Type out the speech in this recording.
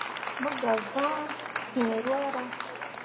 Mo gah vãã fǝ̃ǝ̃ ruahra.